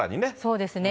そうですね。